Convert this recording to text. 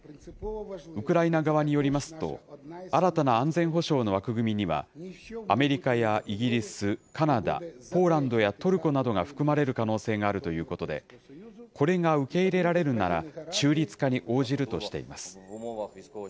ウクライナ側によりますと、新たな安全保障の枠組みには、アメリカやイギリス、カナダ、ポーランドやトルコなどが含まれる可能性があるということで、これが受け入れられるなら、中立化に応じるとしています。